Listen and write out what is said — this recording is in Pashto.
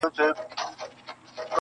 ها د خوشحال او د امان د ارمانونو کیسې,